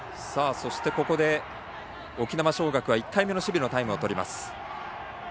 そして、ここで沖縄尚学は１回目の守備のタイム。